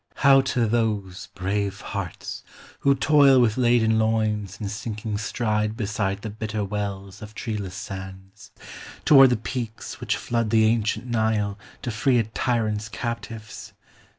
How to those, brave hearts ! Who toil with laden loins and sink ing stride Beside the bitter wells of tieeless sand' Toward the peaks which flood the ancient Nile, 7.f To free a tyrant's captives